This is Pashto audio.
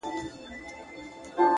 وخت د هڅو حاصل څرګندوي!